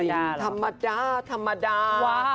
มีทุกสิ่งธรรมดาธรรมดา